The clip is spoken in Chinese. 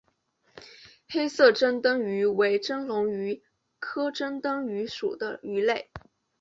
黑色珍灯鱼为灯笼鱼科珍灯鱼属的鱼类。